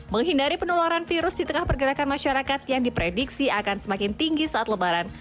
menghindari penularan virus di tengah pergerakan masyarakat yang diprediksi akan semakin tinggi saat lebaran